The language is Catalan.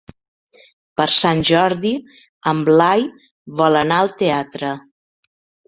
Per Sant Jordi en Blai vol anar al teatre.